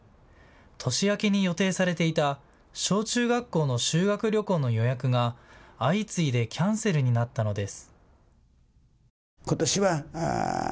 年明けに予定されていた小中学校の修学旅行の予約が相次いでキャンセルになったのです。